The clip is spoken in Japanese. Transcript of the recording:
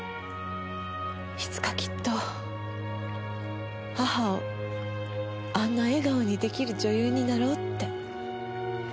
いつかきっと母をあんな笑顔に出来る女優になろうって。